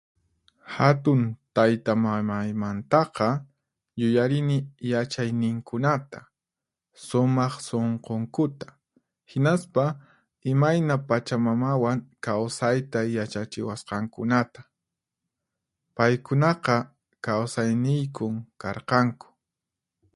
Hatun taytamamaymantaqa yuyarini yachayninkunata, sumaq sunqunkuta, hinaspa imayna pachamamawan kawsayta yachachiwasqankunata. Paykunaqa kawsayniykun karqanku.